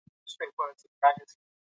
تاسي باید هره ورځ خپل غاښونه مسواک کړئ.